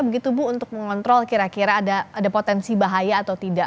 begitu bu untuk mengontrol kira kira ada potensi bahaya atau tidak